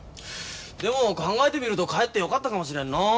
でも考えてみるとかえってよかったかもしれんなあ。